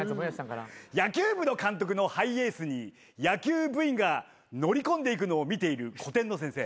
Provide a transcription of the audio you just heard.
野球部の監督のハイエースに野球部員が乗り込んでいくのを見ている古典の先生。